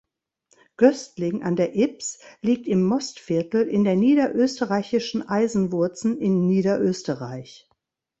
Göstling an der Ybbs liegt im Mostviertel in der niederösterreichischen Eisenwurzen in Niederösterreich.